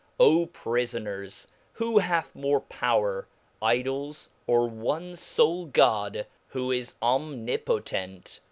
O Prifonersl who hath more power, Idols or one fole God, who is omnipotent